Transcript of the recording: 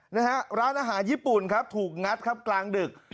นะฮะร้านอาหารญี่ปุ่นครับถูกงัดครับกลางดึก